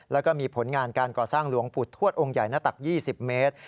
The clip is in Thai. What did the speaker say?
แล้วก็มีผลงานการก่อสร้างหลวงปู่ทวดองค์ใหญ่หน้าตัก๒๐เมตร